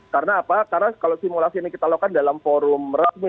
karena apa karena kalau simulasi ini kita lakukan dalam forum resmi